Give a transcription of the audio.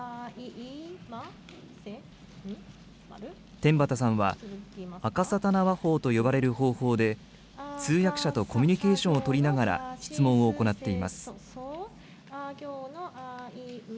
天畠さんは、あかさたな話法と呼ばれる方法で、通訳者とコミュニケーションを取りながら質問を行っています。